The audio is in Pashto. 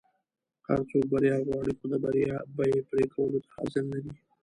هر څوک بریا غواړي خو د بریا بیی پری کولو ته حاضر نه دي.